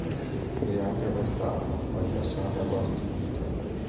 Viene anche arrestata, ma rilasciata quasi subito.